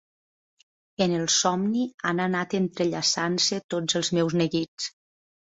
En el somni han anat entrellaçant-se tots els meus neguits.